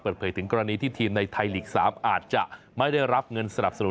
เปิดเผยถึงกรณีที่ทีมในไทยลีก๓อาจจะไม่ได้รับเงินสนับสนุน